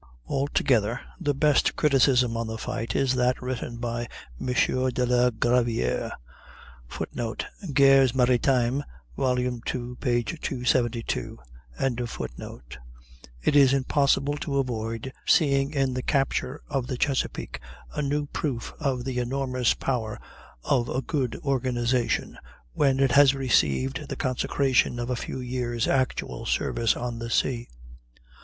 Altogether the best criticism on the fight is that written by M. de la Gravière. [Footnote: "Guerres Maritimes," ii, 272.] "It is impossible to avoid seeing in the capture of the Chesapeake a new proof of the enormous power of a good organization, when it has received the consecration of a few years' actual service on the sea.